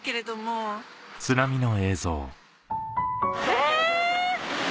え！